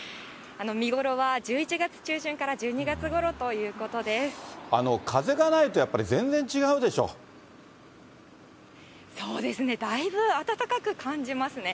見頃は１１月中旬から１２月ごろ風がないと、やっぱり全然違そうですね、だいぶ暖かく感じますね。